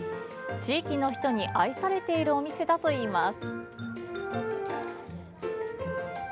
地域の人に愛されているお店だといいます。